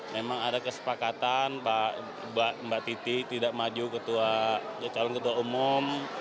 memang ada kesepakatan mbak titi tidak maju calon ketua umum